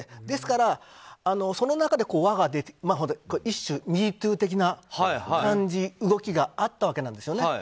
ですから、その中で輪ができて一種、「＃ＭｅＴｏｏ」的な動きがあったわけなんです。